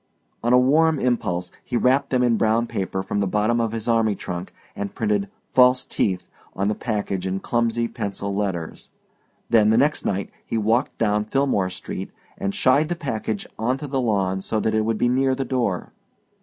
On a warm impulse he wrapped them in brown paper from the bottom of his army trunk, and printed FALSE TEETH on the package in clumsy pencil letters. Then, the next night, he walked down Philmore Street, and shied the package onto the lawn so that it would be near the door.